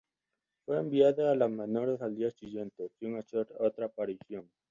Fue enviado a las menores al día siguiente, sin hacer otra aparición.